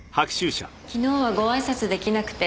昨日はごあいさつ出来なくて。